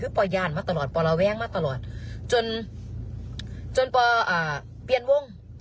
คือปย่านมาตลอดป่อระแว้งมาตลอดจนจนปเปลี่ยนวง